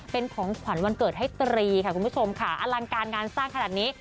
เป็นของขวัญวันเกิดให้ตรีค่ะคุณผู้ชมค่ะอลังการงานสร้างขนาดนี้